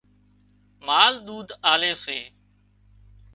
مال ۮُوڌ آلي سي